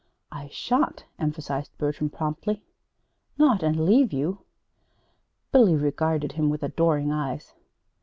"I sha'n't," emphasized Bertram, promptly, " not and leave you!" Billy regarded him with adoring eyes.